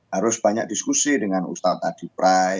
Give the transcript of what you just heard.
harus banyak diskusi dengan ustaz adi pray